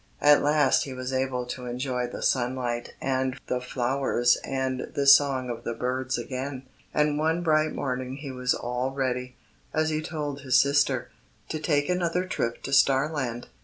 At last he was able to enjoy the sunlight and the flowers and the song of the birds again, and one bright morning he was all ready, as he told his sister, to take another trip to Starland.